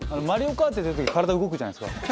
『マリオカート』やってる時体動くじゃないですか。